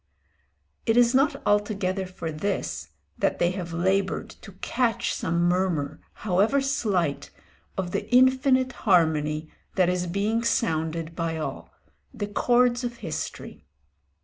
It is not altogether for this that they have laboured to catch some murmur, however slight, of the infinite harmony that is being sounded by all, the chords of history.